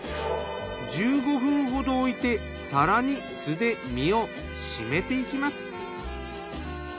１５分ほど置いて更に酢で身を締めていきます。